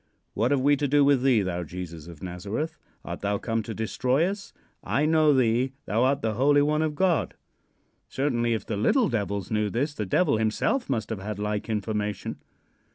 What have we to do with thee, thou Jesus of Nazareth? Art thou come to destroy us? I know thee. Thou art the holy one of God." Certainly, if the little devils knew this, the Devil himself must have had like information.